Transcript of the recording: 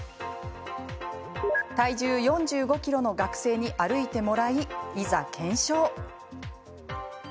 体重４５ｋｇの学生に歩いてもらい、いざ検証。